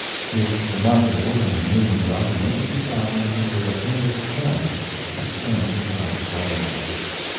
[This remarkable and amusing document will be found under Appendix M, at the end of last volume.